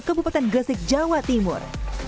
kebupatan gresik jawa timur